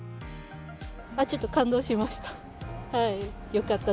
ちょっと感動しました。